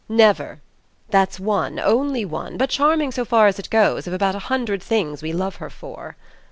Never. That's one, only one, but charming so far as it goes, of about a hundred things we love her for."